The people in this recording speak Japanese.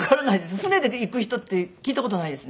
船で行く人って聞いた事ないですね。